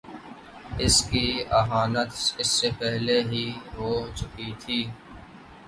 اس کی اہانت اس سے پہلے ہی ہو چکی تھی۔